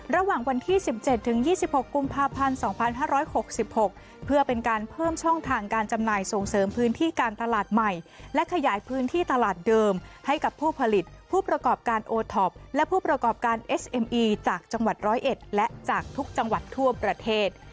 ระหว่างวันที่๑๗๒๖กุมภาพันธ์๒๕๖๖เพื่อเป็นการเพิ่มช่องทางการจำหน่ายส่งเสริมพื้นที่การตลาดใหม่และขยายพื้นที่ตลาดเดิมให้กับผู้ผลิตผู้ประกอบการโอท็อปและผู้ประกอบการเอสเอ็มอีจากจังหวัด๑๐๑และจากทุกจังหวัดทั่วประเทศ